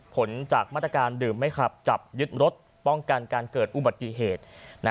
ผลจากมาตรการดื่มไม่ขับจับยึดรถป้องกันการเกิดอุบัติเหตุ